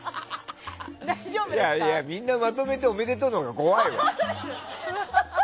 みんなまとめておめでとうのが怖いわ！